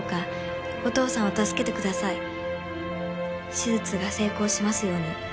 「手術が成功しますように。